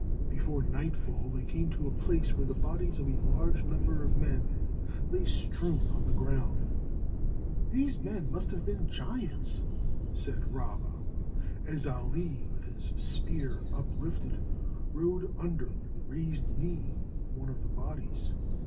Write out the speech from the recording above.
Before nightfall, they came to a place where the bodies of a large number of men lay strewn on the ground. "These men must have been giants," said Rabba, as Ali, with his spear uplifted, rode under the raised knee of one of the bodies.